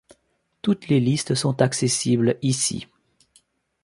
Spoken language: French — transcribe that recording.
Toutes les listes sont accessibles ici.